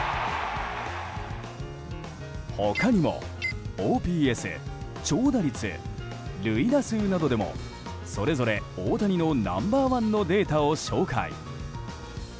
他にもＯＰＳ、長打率、塁打数などでもそれぞれ大谷のナンバー１のデータを紹介。